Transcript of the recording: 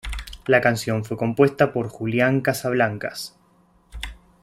La canción fue compuesta por Julian Casablancas.